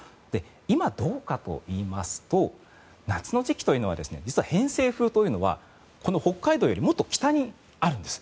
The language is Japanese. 今どうかといいますと夏の時期というのは実は偏西風というのは北海道よりもっと北にあるんです。